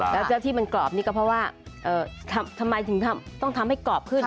แล้วเจ้าที่มันกรอบนี่ก็เพราะว่าทำไมถึงต้องทำให้กรอบขึ้น